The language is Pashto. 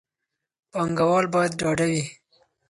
پانګوال باید ډاډه وي.